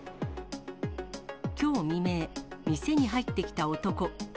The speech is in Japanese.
きょう未明、店に入ってきた男。